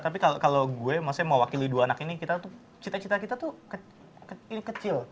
tapi kalau gue maksudnya mau wakili dua anak ini kita tuh cita cita kita tuh kecil